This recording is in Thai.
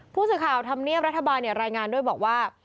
ผู้สื่อข่าวธรรมเนียบรัฐบาลรายงานด้วยบอกว่า